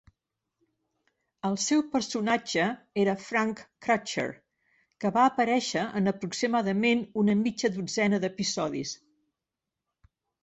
El seu personatge era Frank Crutcher, que va aparèixer en aproximadament una mitja dotzena d'episodis.